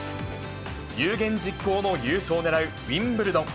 有言実行の優勝を狙うウィンブルドン。